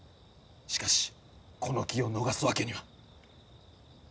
しかしこの機を逃すわけには。